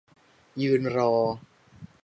ยืนรอ